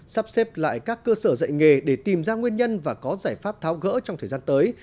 sắp xếp lại các cơ sở dạy nghề để tìm ra nguyên nhân và có giải pháp tháo gỡ trong thời gian tới